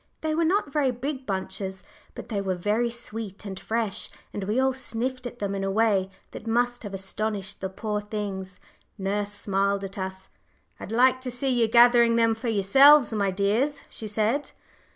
They were not very big bunches, but they were very sweet and fresh, and we all sniffed at them in a way that must have astonished the poor things. Nurse smiled at us. "I'd like to see you gathering them for yourselves, my dears," she said.